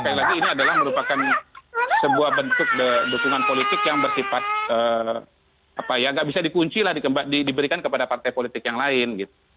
karena ini adalah merupakan sebuah bentuk pertunangan politik yang bersifat yang tidak bisa dikunci lah diberikan kepada partai politik yang lain